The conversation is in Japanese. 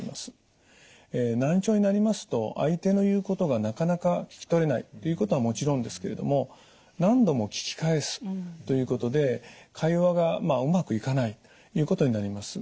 難聴になりますと相手の言うことがなかなか聞き取れないということはもちろんですけれども何度も聞き返すということで会話がうまくいかないということになります。